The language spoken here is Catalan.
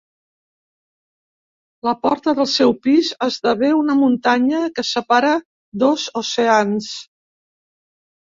La porta del seu pis esdevé una muntanya que separa dos oceans.